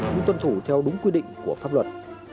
nhưng tuân thủ theo đúng quy định của pháp luật